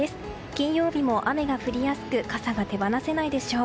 金曜日も雨が降りやすく傘が手放せないでしょう。